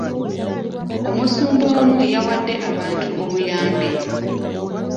Omusumba omu yawadde abantu obuyambi.